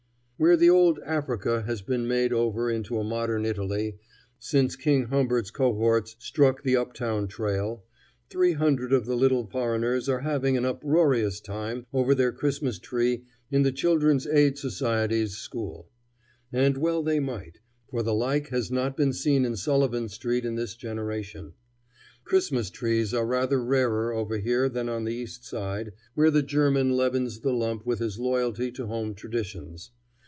Where the old Africa has been made over into a modern Italy, since King Humbert's cohorts struck the up town trail, three hundred of the little foreigners are having an uproarious time over their Christmas tree in the Children's Aid Society's school. And well they may, for the like has not been seen in Sullivan street in this generation. Christmas trees are rather rarer over here than on the East Side, where the German leavens the lump with his loyalty to home traditions.